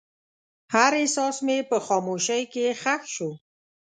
هر احساس مې په خاموشۍ کې ښخ شو.